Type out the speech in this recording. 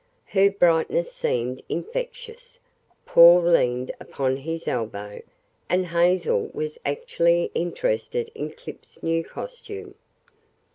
Her brightness seemed infectious. Paul leaned upon his elbow, and Hazel was actually interested in Clip's new costume.